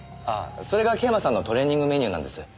ああそれが桂馬さんのトレーニングメニューなんです。